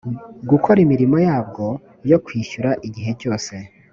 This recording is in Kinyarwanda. gukora imirimo yabyo yo kwishyura igihe cyose